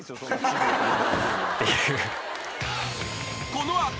［この後］